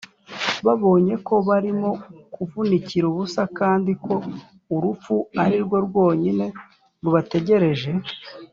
babonye ko barimo kuvunikira ubusa, kandi ko urupfu ari rwo rwonyine rubategereje